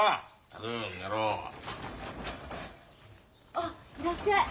あっいらっしゃい。